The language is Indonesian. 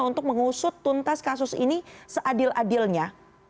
untuk mengusut tuntas kasus ini seadil adilnya